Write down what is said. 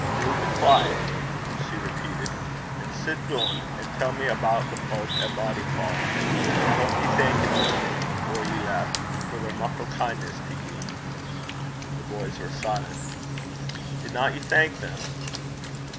'Noo be dooce,' she repeated, 'an' sit doon, and tell me aboot the fowk at Bodyfauld. I houpe ye thankit them, or ye left, for their muckle kindness to ye.' The boys were silent. 'Didna ye thank them?'